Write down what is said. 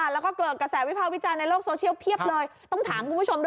แล้วก็เกิดกระแสวิภาควิจารณ์ในโลกโซเชียลเพียบเลยต้องถามคุณผู้ชมด้วย